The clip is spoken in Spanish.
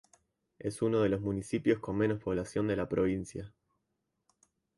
Es uno de los municipios con menos población de la provincia.